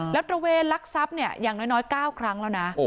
และตระเวรารักษัพอย่างน้อย๙ครั้งแล้วนะ